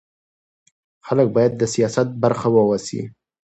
خلک باید د سیاست برخه واوسي